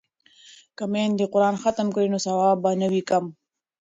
که میندې قران ختم کړي نو ثواب به نه وي کم.